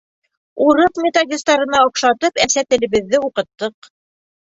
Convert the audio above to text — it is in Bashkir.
Урыҫ методистарына оҡшатып, әсә телебеҙҙе уҡыттыҡ.